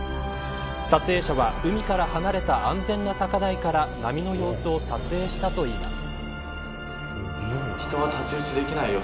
撮影者は海から離れた安全な高台から波の様子を撮影したといいます。